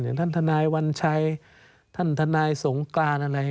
อย่างทานทานายวัญชัยทานทานายสงกรานอะไร